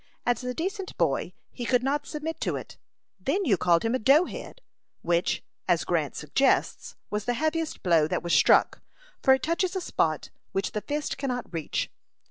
As a decent boy, he could not submit to it. Then you called him a dough head; which, as Grant suggests, was the heaviest blow that was struck, for it touches a spot which the fist cannot reach.